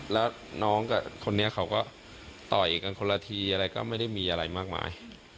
แล้วน้องกับคนนี้เขาก็ต่อยกันคนละทีอะไรก็ไม่ได้มีอะไรมากมาย